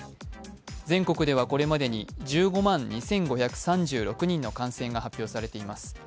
全国ではこれまでに１５万２５３６人の感染が発表されています。